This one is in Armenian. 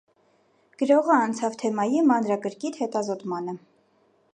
Գրողը անցավ թեմայի մանրակրկիթ հետազոտմանը։